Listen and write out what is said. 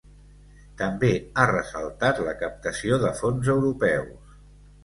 També ha ressaltat la captació de fons europeus.